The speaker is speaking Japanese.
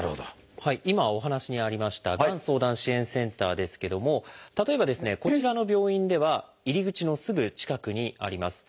今お話にありましたがん相談支援センターですけども例えばですねこちらの病院では入り口のすぐ近くにあります。